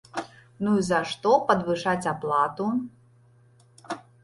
Ну і за што падвышаць аплату?